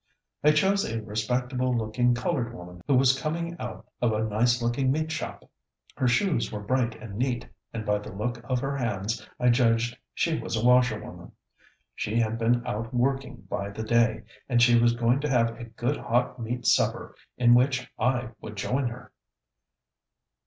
I chose a respectable looking coloured woman who was coming out of a nice looking meat shop. Her shoes were bright and neat, and by the look of her hands, I judged she was a washerwoman. She had been out working by the day, and she was going to have a good hot meat supper in which I would join her.